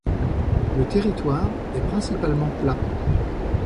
Le territoire est principalement plat.